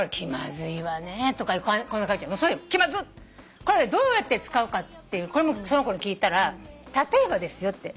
これどうやって使うかってこれもその子に聞いたら例えばですよって。